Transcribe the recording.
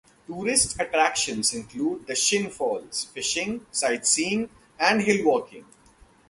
Tourists attractions include the Shin Falls, fishing, sightseeing and hillwalking.